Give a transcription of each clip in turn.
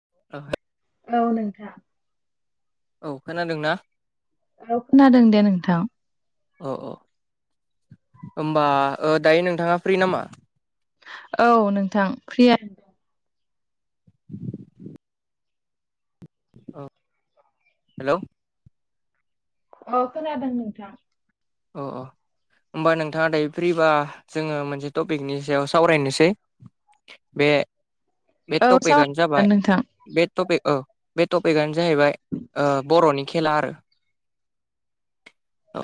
[unintelligible] औ नों औ खोनादोंना? औ खोनादों दे नोंथां। अ‌ होनबा दायो नोंथाङा फ्रि नामा? औ नोंथां प्रियानो। औ हेलौ। अ खोनादों नोंथां। अ होमबा नोंथाङा दायो फ्रिबा जोङो मोनसे टपिकनि सायाव सावरायनोसै। बे बे औ टपिकआनो सावरायजागोन जाबाय। नोंथां बे टपिक औ बे टपिकआनो जाहैबाय बर'नि खेला आरो।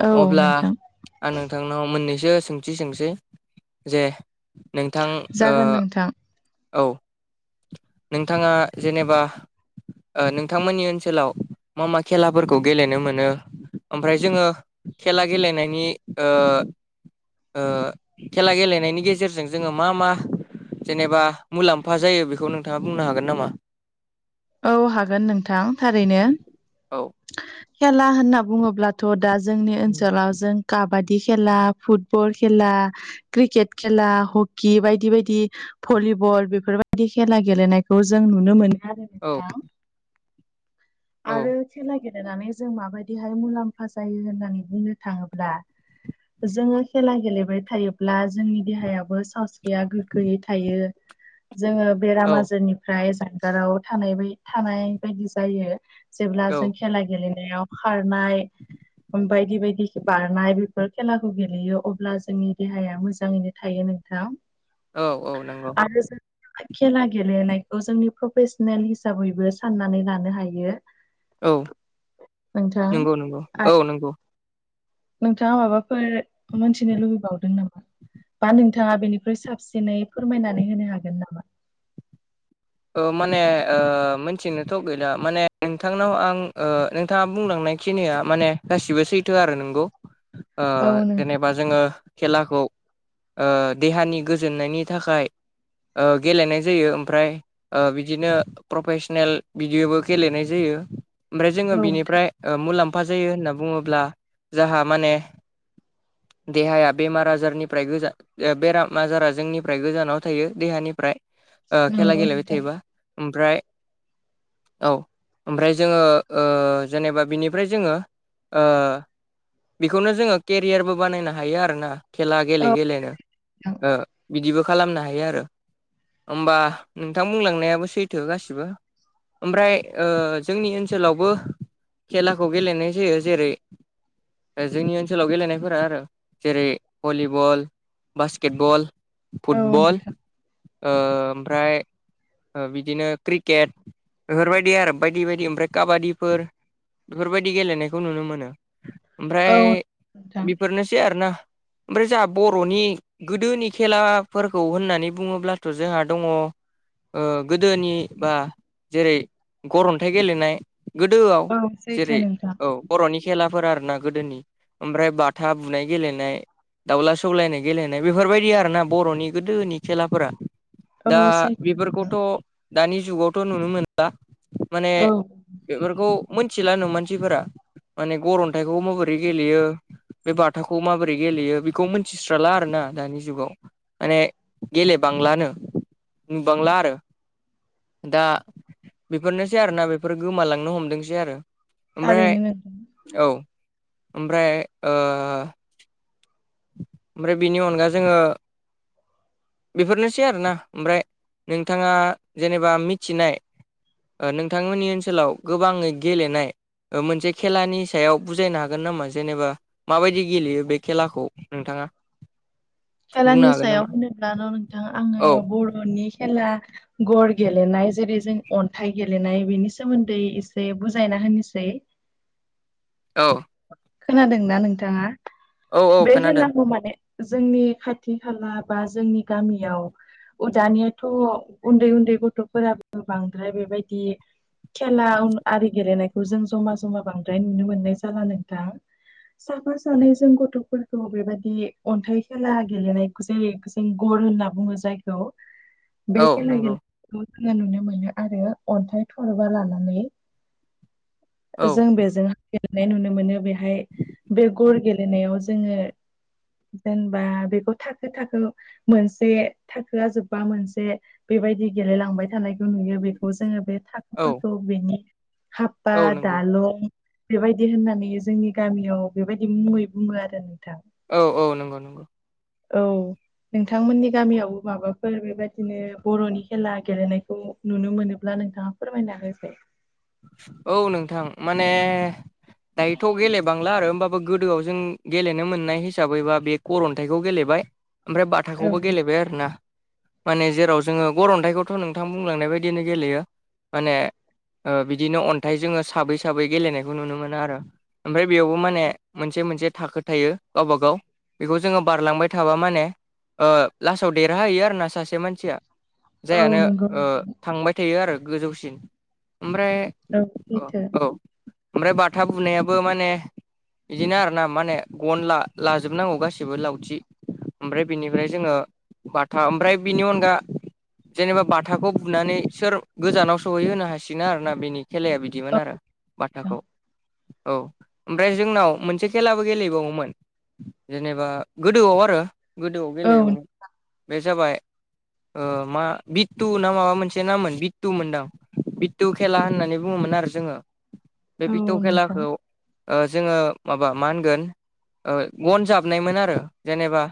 औ अब्ला नोंथां आं नोंथांनाव मोननैसो सोंथि सोंसै जे नोंथां जागोन नोंथां ओ नोंथाङा जेनेबा नोंथांमोननि ओनसोलाव मा मा खेलाफोरखौ गेलेनो मोनो? ओमफ्राय जोङो खेला गेलेनायनि ओ ओ खेला गेलेनायनि गेजेरजों जोङो मा मा जेनेबा मुलाम्फा जायो बेखौ नोंथाङा बुंनो हागोन नामा? औ हागोन नोंथां थारैनो औ खेला होनना बुङोब्लाथ' थ' दा जोंनि ओनसोलाव जों काबादि खेला फुटबल खेला। क्रिकेट खेला हकि बायदि बायदि। भलिबल बेफोरबायदि खेला गेलेनायखौ जों नुनो मोनो। आरो औ नोंथां औ आरो खेला गेलेनानै जों माबायदिहाय मुलाम्फा जायो होननानै बुंनो थाङोब्ला जोङो खेला गेलेबाय थायोब्ला जोंनि देहायाबो सावस्रि या गोगोयै थायो जोङो औ बेराम आजारनि ओमफ्राय जानगाराव थानाय बाय थानाय बायदि जायो जेब्ला औ जों खेला गेलेनायाव खारनाय बायदि बायदि बारनाय बेफोर खेलाखौ गेलेयो अब्ला जोंनि देहाया मोजाङैनो थायो नों थां औ औ नंगौ आरो जोङो खेला गेलेनायखौ जोंनि प्रफेसनेल हिसाबैबो साननानै लानो हायो। औ नोंथां नोंगौ नोंगौ औ आरो नोंगौ नोंथाङा माबाफोर मोनथिनो लुबैबावदों नामा बा नों थाङा बेनिख्रुइ साबसिनै फोरमायनानै होनो हागोन नामा? अ माने ओ मोनथिनोथ' गैला माने नोंथांनाव आं ओ नोंथाङा बुंलांनाय खिनिया माने गासिबो सैथो आरो नोंगौ ओ औ नोंथां जेनेबा। बा जोङो खेलाखौ ओ देहानि गोजोननायनि थाखाय गेलेनाय जायो ओमफ्राय ओ बिदिनो प्रफेसनेल बिदिबो गेलेनाय जायो ओमफ्राय जोङो औ बिनिफ्राय ओ मुलाम्फा जायो होनना बुङोब्ला जाहा माने देहाया बेमार आजारनिफ्राय गोजा बेराम आजारा जोंनिफ्राय गोजानाव थायो देहानिफ्राय खेला नंगौ गेलेबाय नोंथां थायोबा ओमफ्राय औ ओमफ्राय जोङो ओ जेनेबा बिनिफ्राय जोङो ओ बेखौनो जोङो केरियारबो बानायनो हायो आरोना। खेला औ गेले गेलेनो नोंथां बिदिबो खालामनो हायो आरो होमबा नोंथां बुंलांनायाबो सैथो गासिबो। ओमफ्राय ओ जोंनि ओनसोलावबो खेलाखौ गेलेनाय जायो जेरै जोंनि ओनसोलाव गेलेनायफोरा आरो जेरै भलिबल बास्केटबल औ फुटबल नोंथां ओ ओमफ्राय ओ बिदिनो क्रिकेट बेफोरबायदि आरो बायदि बायदि ओमफ्राय काबादिफोर बेफोरबायदि गेलेनायखौ नुनो मोनो ओमफ्राय औ नोंथां बेफोरनोसै आरोना ओमफ्राय जोंहा बर'नि गोदोनि खेलाफोरखौ होननानै बुङोब्लाथ' जोंहा दङ ओ गोदोनि बा जेरै गर अन्थाइ गेलेनाय गोदोआव औ सैथो जेरै नोंथां औ बर'नि खेलाफोर आरो ना गोदोनि ओमफ्राय बाथा बुनाय गेलेनाय दाउला सौलायनाय गेलेनाय बेफोरबायदि आरोना बर'नि गोदोनि खेलाफोरा औ दा सैथो नोंथां बेफोरखौथ' दानि जुगावथ' नुनो मोनला माने औ बेफोरखौ मोनथिला नो मानसिफोरा माने गर अन्थाइखौ माबोरै गेलेयो बे बाथाखौ माबोरै गेलेयो बेखौ मिथिस्राला आरोना दानि जुगाव माने गेले बांलानो नुबांला आरो दा बेफोरनोसै आरोना बेफोरो गोमालांनो हमदोंसै आरो ओमफाय थारैनो नोंथां औ ओमफ्राय ओ ओमफ्राय बिनि अनगा जोङो बेफोरनोसै आरोना ओमफ्राय नोंथाङा जेनेबा मिथिनाय नोंथांमोननि ओनसोलाव गोबाङै गेलेनाय मोनसे खेलानि सायाव बुजायनो हागोन नामा जेनेबा माबायदि गेलेयो बे खेलाखौ नोंथाङा बुंनो खेलानि हागोन सायाव नामा होनोब्ला न' नोंथां औ आङो बर'नि खेला गर गेलेनाय जेरै जों अन्थाइ गेलेनाय बेनि सोमोन्दै एसे बुजायना होनोसै औ खोनादोंना नोंथाङा औ औ बे खोनादों खेलाखौ माने जोंनि खाथि खाला बा जोंनि गामियाव दानियाथ' उन्दै उन्दै गथ'फोराबो बांद्राय बेबायदि खेला आरि गेलेनायखौ जों जमा जमा बांद्राय नुनो मोननाय जाला नोंथां साफा सानैजों गथ'फोरखौ बेबायदि अन्थाइ खेला गेलेनायखौ जि जों गर होनना बुङो जायखौ [inaudible] बे खेला नंगौ गेलेनायखौ जोङो नुनो मोनो आरो अन्थाइ थरबा लानानै औ जों बेजों गेलेनाय नुनो मोनो बेहाय बे गर गेलेनायाव जोङो जेनेबा बेखौ थाखो थाखो मोनसे थाखोआ जोबबा मोनसे बेबायदि गेलेलांबाय थानायखौ नुयो बेखौ जोङो बे औ फोरखौ बेनि हफफा औ नंगौ दालं बेबायदि होननानै जोंनि गामियाव बेबायदि मुङै बुङो आरो नोंथां औ औ नंगौ नंगौ औ नोंथांमोननि गामियावबो माबाफोर बेबायदिनो बर'नि खेला गेलेनायखौ नुनो मोनोब्ला नोंथाङा फोरमायना होसाय औ नोंथां माने दायोथ' गेलेबांला आरो होमबाबो गोदोआव जों गेलेनो मोननाय हिसाबैबा बे गर अन्थाइखौ गेलेबाय ओमफ्राय औ बाथाखौबो गेलेबाय आरो ना माने जेराव जोङो गरन्थाइखौथ' नोंथां बुंलांनाय बायदिनो गेलेयो माने ओ बिदिनो अन्थाइ जोङो साबै साबै गेलेनायखौ नुनो मोनो आरो ओमफ्राय बेयावबो माने मोनसे मोनसे थाखो थायो गावबा गाव बेखौ जोङो बारलांबाय थाबा माने ओ लासाव देरहाहैयो आरोना सासे मानसिया औ जायानो नंगौ ओ नोंथां थांबाय थायो आरो गोजौसिन ओमफ्राय औ औ ओमफ्राय बाथा बुनायाबो माने बिदिनो आरो ना माने गनला लाजोबनांगौ गासिबो लावथि ओमफ्राय बिनिफ्राय जोङो बाथा ओमफ्राय बिनि अनगा जेनेबा बाथाखौ बुनानै सोर गोजानाव सहैहोनो हासिनो बिदिनो आरो ना बेनि खेलाया बिदिमोन औ आरो बाथाखौ औ ओमफ्राय जोंनाव मोनसे खेलाबो गेलेबावोमोन जेनेबा गोदोआव आरो गोदोआव नोंथां औ गेलेयो बे जाबाय ओ मा बिटु ना माबा मोनसे नामोन बितु मोनदां पिटु खेला होननानै बुङोमोन आरो जोङो बे पिटौ औ नोंथां खेलाखौ ओ जोङो माबा मा होनगोन ओ गन जाबनायमोन आरो जेनेबा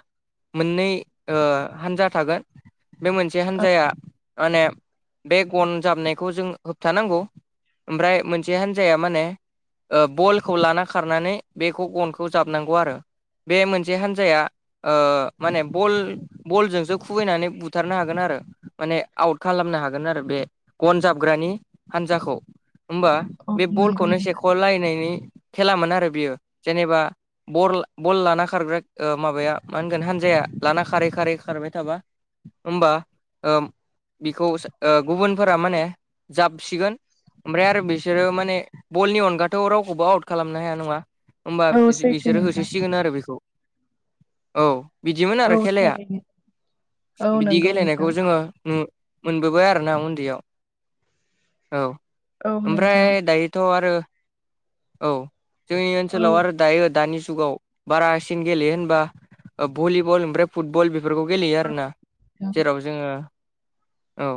मोननै ओ हान्जा थागोन बे मोनसे औ हान्जाया माने बे गन जाबनायखौ जों होबथानांगौ ओमफ्राय मोनसे हान्जाया मा होनो ओ बलखौ लाना खारनानै बेखौ गनखौ जाबनांगौ आरो बे मोनसे हान्जाया ओ माने बल बलजोंसो खुबैनानै बुथारनो हागोन आरो माने आउट खालामनो हागोन आरो बे गन जाबग्रानि हानजाखौ होमबा औ बे नंगौ बलखौनो से नोंथां खलायनायनि खेलामोन आरो बियो जेनेबा बर बल लाना खारग्रा ओ माबाया मा होनगोन हानजाया लाना खारै खारै खारबाय थाबा होमबा ओ बिखौ ओ गुबुनफोरा मा होनो जाबसिगोन ओमफ्राय आरो बिसोरो माने बलनि अनगाथ' रावखौबो आउट खालामनो हाया नङा होमबा औ सैथो बिसोरो नोंथां होसोसिगोन आरो बेखौ औ बिदिमोन औ आरो खेलाया थारैनो औ बिदि नंगौ नोंथां गेलेनायखौ जोङो नु मोनबोबाय आरो ना उन्दैयाव औ औ ओमफ्राय नोंथां दायोथ' आरो औ जोंनि औ ओनसोलाव आरो दायो दानि जुगाव बारासिन गेलेयो होनबा भलिबल ओमफ्राय फुटबल बेफोरखौ गेलेयो आरोना नोंथां जेराव जोङो औ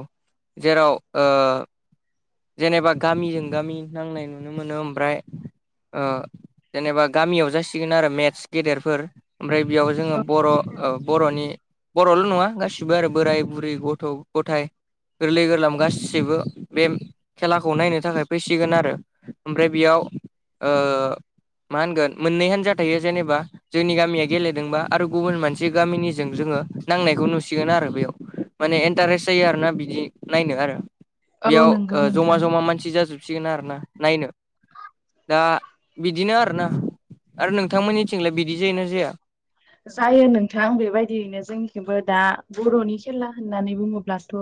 जेराव ओ जेनेबा गामिजों गामि नांनाय नुनो मोनो ओमफ्राय ओ जेनेबा गामियाव जासिगोन आरो मेटस गेदेरफोर ओमफ्राय बेयाव जोङो औ बर' बर'नि बर'ल' नङा गासिबो आरो बोराय बुरै गथ' गथाय गोरलै गोरलाम गासिबो गासिबो बे खेलाखौ नायनो थाखाय फैसिगोन आरो ओमफ्राय बेयाव मा होनगोन मोननै हानजा थायो जेनेबा जोंनि गामिया गेलेदोंबा आरो गुबुन मोनसे गामिनिजों जोङो नांनायखौ नुसिगोन आरो बेयाव माने इन्टारेस्ट जायो आरो ना बिदि नायनो आरो औ बेयाव नंगौ जमा नोंथां जमा मानसि जाजोबसिगोन आरोना नायनो दा बिदिनो आरोना आरो नोंथांमोननिथिंलाय बिदि जायो ना जाया जायो नोंथां बेबायदियैनो जोंनिखौबो दा बर'नि खेला होननानै बुङोब्लाथ'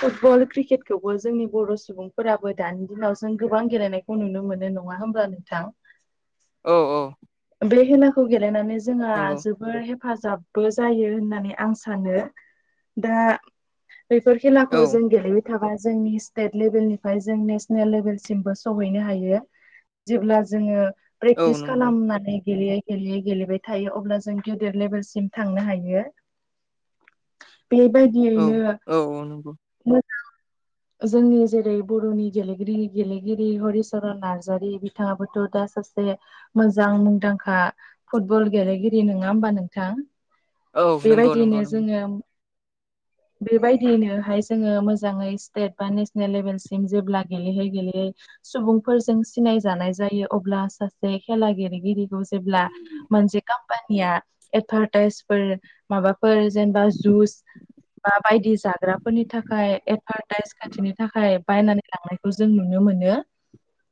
फुटबल क्रिकेटखौबो जोंनि बर' सुबुंफोराबो दानि दिनाव जों गोबां गेलेनाय खौ नुनो मोनो नङा होमब्ला नोंथां औ औ बे खेलाखौ गेलेनानै जोंहा नंगौ जोबोद जोबोर हेफाजाबबो जायो होननानै आं सानो दा बेफोर खेलाखौ औ जों गेले बाय थाबा जोंनि स्टेट लेभेलनिफ्राय जों नेसनेल लेभेलसिमबो सहैनो हायो जेब्ला जोङो औ प्रेक्टिस नंगौ खालामनानै गेलेयै गेलेयै गेलेबाय थायो अब्ला जों गेदेर लेभेलसिम थांनो हायो [inaudible] औ बेबायदियैनो औ औ नंगौ मोजां जोंनि जेरै बर'नि गेलेगिरि गेलेगिरि हरिचरन नार्जारि बिथाङाबोथ' दा सासे मोजां मुं मुंदांखा फुटबल गेलेगिरि नङा होमबा नोंथां औ नंगौ नंगौ बेबायदियैनो नंगौ जोङो [inaudible] बेबायदियैनोहाय जोङो मोजाङै स्टेट बा नेसनेल लेभेलसिम जेब्ला गेलेयै गेलेयै सुबुंफोरजों सिनायजानाय जायो अब्ला सासे खेला गेलेगिरिखौ जेब्ला मोनसे कम्पानिया एदभारटाइसफोर माबाफोर जेनेबा जुस मा बायदि जाग्राफोरनि थाखाय एडभारटाइज खोथिनो थाखाय बायनानै लांनायखौ जों नुनो मोनो [inaudible]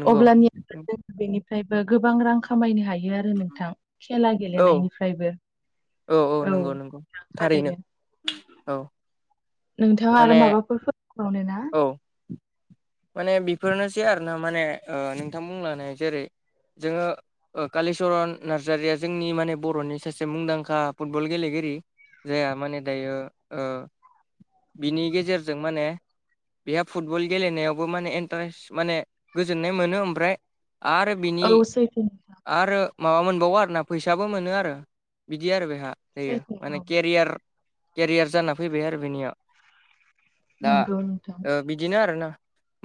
नंगौ अब्लानिया जों बेनिफ्रायबो गोबां रां खामायनो हायो आरो नोंथां खेला औ गेलेनायनिफ्रायबो औ औ नंगौ नंगौ थारैनो औ नोंथाङा आरो माने माबाफोर फोरमायबावनो ना औ माने बेफोरनोसै आरो ना माने नोंथां बुंलांनाय जेरै जोङो कालिचरन नार्जारिया जोंनि माने बर'नि सासे मुंदांखा फुटबल गेलेगिरि जायहा माने दायो ओ बिनि गेजेरजों माने बेहा फुटबल गेलेनायाव बो माने इन्थारेस माने गोजोननाय मोनो ओमफ्राय आरो औ बिनि सैथो नोंथां आरो माबा मोनबावो आरोना फैसाबो मोनो आरो बिदि आरो बेहा जायो सैथो माने औ केरियार केरियार जाना फैबाय आरो बेनियाव दा नंगौ नोंथां ओ बिदिनो आरोना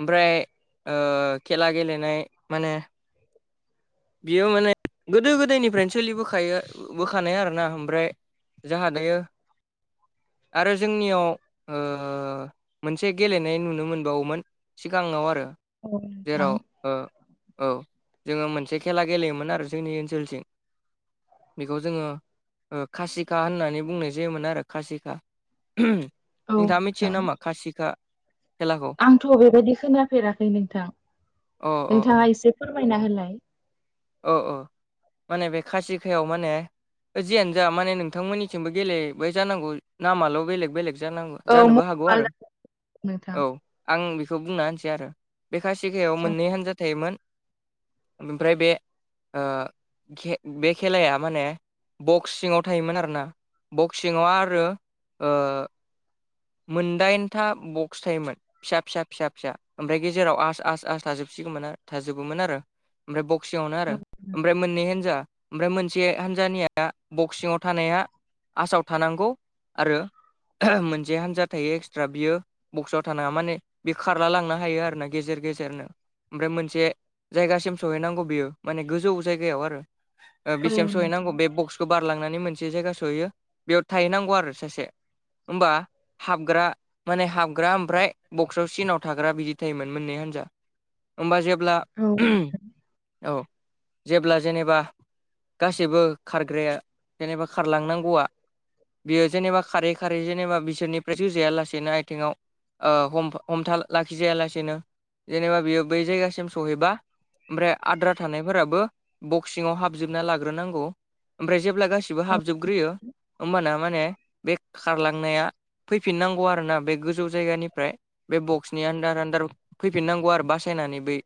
ओमफ्राय ओ खेला गेलेनाय माने बियो माने गोदो गोदायनिफ्रायनो सोलिबोखायो बोखानाय आरोना ओमफ्राय जोंहा दायो आरो जोंनियाव ओ मोनसे गेलेनाय नुनो मोनबावोमोन। सिगाङाव आरो औ नोंथां जेराव ओ औ जोङो मोनसे खेला गेलेयोमोन आरो जोंनि ओनसोलथिं बेखौ जोङो ओ खासिखा होननानै बुंनाय जायोमोन आरो खासिखा‌। औ नोंथाङा मिथियो नोंथां नामा खासिखा? खेलाखौ आंथ' बेबायदि खोनाफेराखै नोंथां अ अ अ नोंथाङा एसे फोरमायना होलाय। औ औ माने बे खासिखायाव माने जियानो जा माने नोंथांमोननिथिंबो गेलेबाय जानांगौ नामाल' बेलेग बेलेग जानांगौ। औ जानोबो हागौ मुखुब आरो आलदा नोंथां औ आं बेखौ बुंना होनसै आरो बे खासिखायाव जा- मोननै हान्जा थायोमोन। ओमफ्राय बे ओ खे बे खेलाया माने बक्स सिङाव थायोमोन आरोना बक्स सिङाव आरो ओ मोनदाइनथा बक्स थायोमोन। फिसा फिसा फिसा फिसा ओमफ्राय गेजेराव आस आस आस थाजोबसिगौमोन आ थाजोबोमोन आरो। ओमफ्राय बक्सिङावनो आरो औ ओमफ्राय मोननै हान्जा ओमफ्राय मोनसे हान्जानिया बक्सिङाव थानाया आसामाव थानांगौ आरो मोनसे हान्जा थायो एक्सट्रा बियो बक्सआव थानाङा माने बे खारला लांनो हायो आरोना गेजेर गेजेरनो। ओमफ्राय मोनसे जायगासिम सहैनांगौ बियो माने गोजौ जायगायाव आरो ओ बे औ सायाव नोंथां सहैनांगौ बे बक्स खौ बारलांनानै मोनसे जायगा सहैयो बेयाव थाहैनांगौ आरो सासे ओमबा हाबग्रा माने हाबग्रा ओमफ्राय बक्सआव सिनाव थाग्रा बिदि थायोमोन मोननै हान्जा। ओमबा जेब्ला औ उम नोंथां औ जेब्ला जेनेबा गासैबो खारग्राया जेनेबा खारलांनांगौवा बियो जेनेबा खारै खारै जेनेबा बिसोरनिफ्राय जोजाया लासेनो आइथेङाव ओ हम हमथा लाखिजायालासेनो जेनेबा बियो बै जायगा सिम सहैबा ओमफ्राय आद्रा थानायफोराबो बक्सि सिङाव हाबजोबना लाग्रोनांगौ। ओमफ्राय जेब्ला गासिबो औ हाबजोबग्रोयो होमबाना माने बे खारलांनाया फैफिननांगौ आरोना बे गोजौ जायगानिफ्राय। बे बक्सनि आन्दार आन्दार फैफिननांगौ आरो बासायनानै बै